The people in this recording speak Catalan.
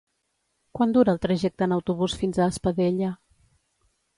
Quant dura el trajecte en autobús fins a Espadella?